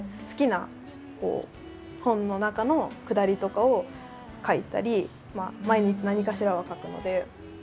好きな本の中のくだりとかを書いたり毎日何かしらは書くので。